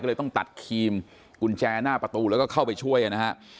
ก็เลยต้องตัดครีมกุญแจหน้าประตูแล้วก็เข้าไปช่วยนะฮะ